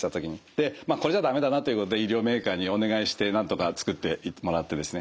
でこれじゃ駄目だなということで医療メーカーにお願いしてなんとか作ってもらってですね。